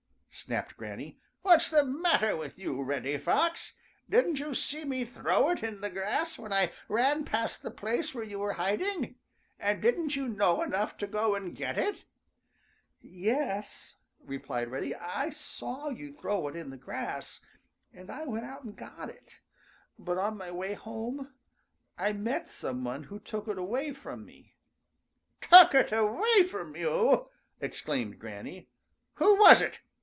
snapped Granny. "What's the matter with you, Reddy Fox? Didn't you see me throw it in the grass when I ran past the place where you were hiding, and didn't you know enough to go and get it?" "Yes," replied Reddy, "I saw you throw it in the grass, and I went out and got it, but on my way home I met some one who took it away from me." "Took it away from you!" exclaimed Granny. "Who was it?